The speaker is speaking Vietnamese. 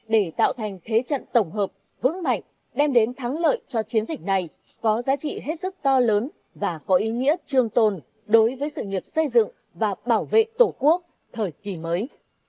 để tạo thành thế trận tổng hợp vững mạnh đem đến thắng lợi cho chiến dịch này có giá trị hết sức to lớn và có ý nghĩa trương tồn đối với sự nghiệp xây dựng và bảo vệ tổ quốc thời kỳ mới